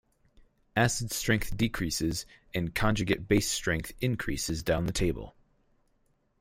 Acid strength decreases and conjugate base strength increases down the table.